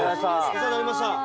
お世話になりました。